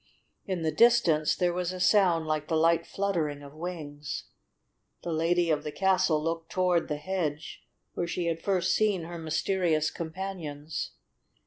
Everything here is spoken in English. In the distance there was a sound like the light fluttering of wings. The lady of the castle looked toward the hedge where she had first seen her mysterious companions.